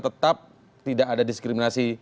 tetap tidak ada diskriminasi